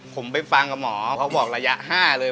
ผมไปฟังกับหมอเขาบอกระยะ๕เลย